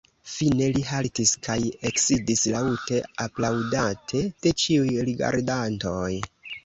Fine li haltis kaj eksidis, laŭte aplaŭdate de ĉiuj rigardantoj.